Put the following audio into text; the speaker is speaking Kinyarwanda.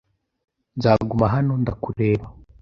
Nzaguma hano ndakureba.